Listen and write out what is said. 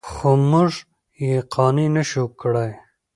خو موږ یې قانع نه شوو کړی.